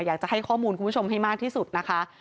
อยากจะให้ข้อมูลคุณผู้ชมให้มากที่สุดนะคะ